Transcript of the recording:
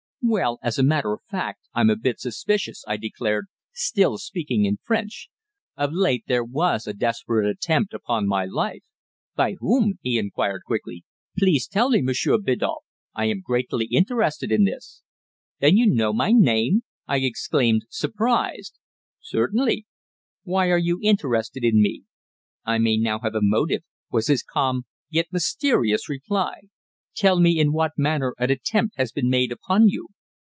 "Well, as a matter of fact, I'm a bit suspicious," I declared, still speaking in French. "Of late there was a desperate attempt upon my life." "By whom?" he inquired quickly. "Please tell me, Monsieur Biddulph; I am greatly interested in this." "Then you know my name?" I exclaimed, surprised. "Certainly." "Why are you interested in me?" "I may now have a motive," was his calm yet mysterious reply. "Tell me in what manner an attempt has been made upon you?"